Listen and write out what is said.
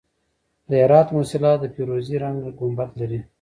د هرات موسیلا د فیروزي رنګ ګنبد لري